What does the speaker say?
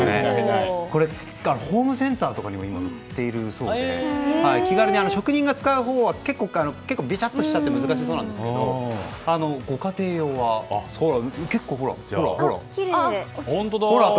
ホームセンターとかにも売っているそうで気軽に職人が使うほうは結構べチャッとして難しそうなんですけどご家庭用は結構、ほら。